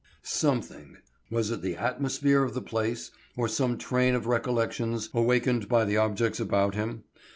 Something,—was it the atmosphere of the place, or some train of recollections awakened by the objects about him?